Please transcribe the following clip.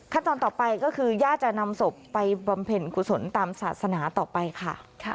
ตอนต่อไปก็คือญาติจะนำศพไปบำเพ็ญกุศลตามศาสนาต่อไปค่ะ